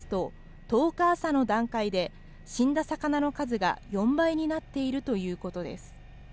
また養殖業者によりますと、１０日朝の段階で死んだ魚の数が４倍になっているということです。